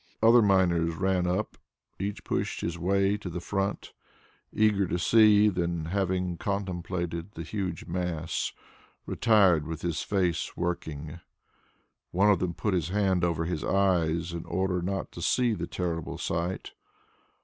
Other miners ran up. Each pushed his way to the front, eager to see, then having contemplated the huge mass, retired with his face working. One of them put his hand over his eyes in order not to see the terrible sight.